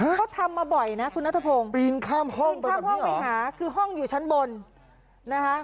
เขาทำมาบ่อยนะคุณนัทพงศ์ปีนข้ามห้องปีนข้ามห้องไปหาคือห้องอยู่ชั้นบนนะคะ